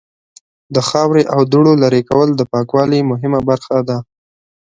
د خاورې او دوړو لرې کول د پاکوالی مهمه برخه ده.